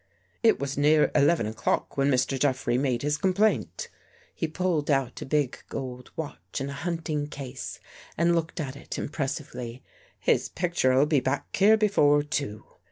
" It was near eleven o'clock when Mr. Jeffrey made his complaint." He pulled out a big gold watch in a hunting case and looked at it impress ively. " His picture'll be back here before two.